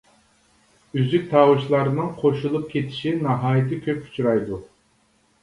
ئۈزۈك تاۋۇشلارنىڭ قوشۇلۇپ كېتىشى ناھايىتى كۆپ ئۇچرايدۇ.